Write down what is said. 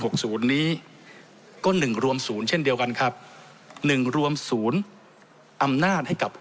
ศูนย์นี้ก็หนึ่งรวมศูนย์เช่นเดียวกันครับหนึ่งรวมศูนย์อำนาจให้กับ